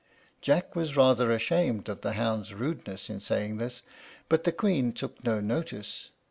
Jack was rather ashamed of the hound's rudeness in saying this; but the Queen took no notice.